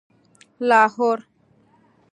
لاهور